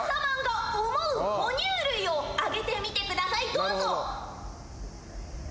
どうぞ。